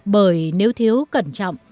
bởi nếu thiếu cẩn trọng